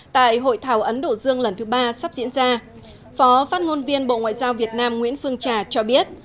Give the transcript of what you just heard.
tại hội thảo ấn độ dương lần thứ ba sắp diễn ra phó phát ngôn viên bộ ngoại giao việt nam nguyễn phương trà cho biết